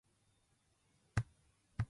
サービス精神はかなり旺盛なほう